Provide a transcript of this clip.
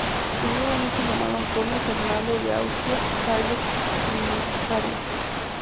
Tuvieron un hijo llamado Antonio Fernando de Austria, fraile trinitario.